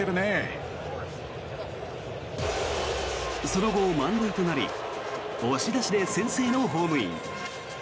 その後、満塁となり押し出しで先制のホームイン。